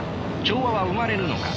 調和は生まれるのか。